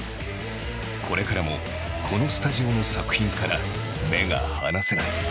これからもこのスタジオの作品から目が離せない！